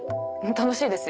楽しいですよ。